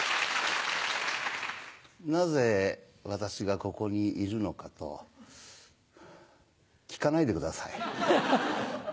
なぜ私がここにいるのかと聞かないでください。